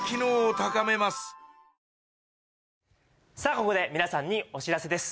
ここで皆さんにお知らせです